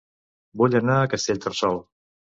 Vull anar a Castellterçol